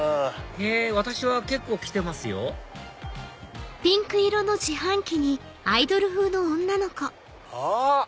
へぇ私は結構来てますよあっ！